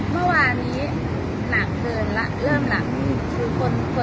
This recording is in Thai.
เมื่อวานี้หนักเกินแล้ว